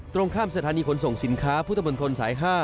ตรงข้ามสถานีขนส่งสินค้าพุทธมนตรสาย๕